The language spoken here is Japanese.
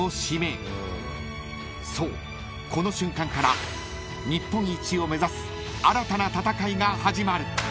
［そうこの瞬間から日本一を目指す新たな戦いが始まる］